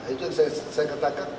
itu yang saya katakan